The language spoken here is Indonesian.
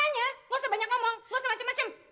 makanya gak usah banyak ngomong gak usah macem macem